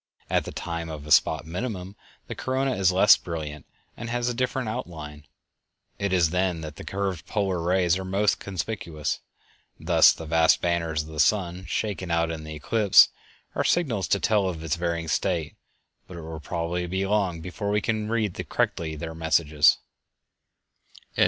_ At the time of a spot minimum the corona is less brilliant and has a different outline. It is then that the curved polar rays are most conspicuous. Thus the vast banners of the sun, shaken out in the eclipse, are signals to tell of its varying state, but it will probably be long before we can read correctly their messages.